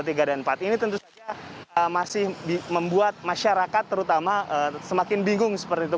level tiga dan empat ini tentu saja masih membuat masyarakat terutama semakin bingung seperti itu